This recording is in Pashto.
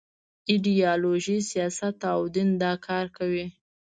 ایډیالوژي، سیاست او دین دا کار کوي.